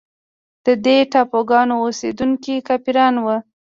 د دې ټاپوګانو اوسېدونکي کافران وه.